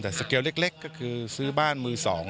แต่สเกลเล็กก็คือซื้อบ้านมือ๒